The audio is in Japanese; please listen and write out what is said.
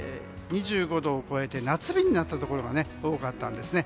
２５度を超えて夏日になったところが多かったんですね。